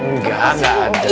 enggak gak ada